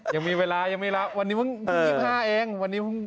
ยังมีเวลายังไม่รับวันนี้ว่างอีก๒๕เอง